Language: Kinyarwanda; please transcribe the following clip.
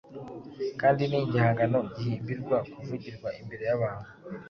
kandi ni igihangano gihimbirwa kuvugirwa imbere y’abantu.